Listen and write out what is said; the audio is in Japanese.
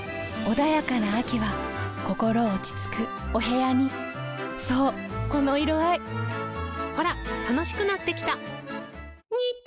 穏やかな秋は心落ち着くお部屋にそうこの色合いほら楽しくなってきた！